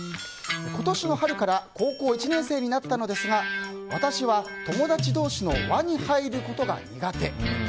今年の春から高校１年生になったのですが私は、友達同士の輪に入ることが苦手。